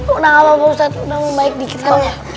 udah apa pak ustadz udah membaik dikit kan ya